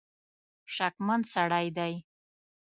شکمن سړی دی.